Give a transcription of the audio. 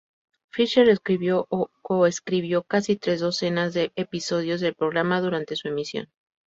Fischer escribió o coescribió casi tres docenas de episodios del programa durante su emisión.